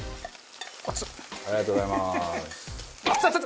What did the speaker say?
ありがとうございます。